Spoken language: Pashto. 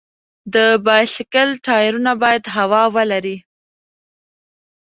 د بایسکل ټایرونه باید هوا ولري.